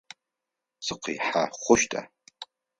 Сыкъихьэ хъущта?